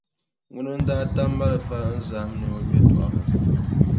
Ŋuni n-daa tam malifa n-zahim ni o ŋme tɔrili?